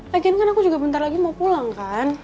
lagi kan aku juga bentar lagi mau pulang kan